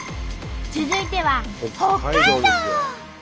続いては北海道。